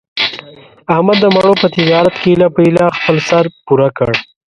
احمد د مڼو په تجارت کې ایله په ایله خپل سر پوره کړ.